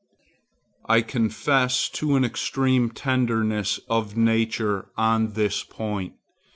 I confess to an extreme tenderness of nature on this point.